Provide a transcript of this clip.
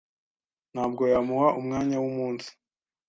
Ntabwo yamuha umwanya wumunsi